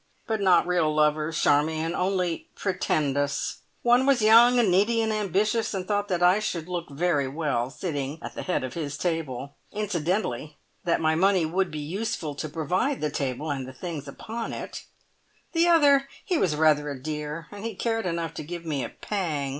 But not real lovers, Charmion, only pretendus. One was young and needy and ambitious, and thought that I should look very well sitting at the head of his table. Incidentally, that my money would be useful to provide the table and the things upon it. The other he was rather a dear, and he cared enough to give me a pang.